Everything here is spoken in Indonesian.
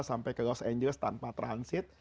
sampai ke los angeles tanpa transit